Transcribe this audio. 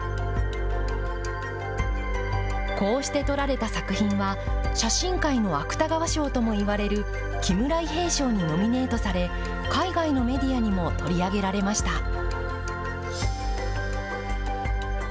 こうして撮られた作品は、写真界の芥川賞ともいわれる木村伊兵衛賞にノミネートされ、海外のメディアにも取り上げられました。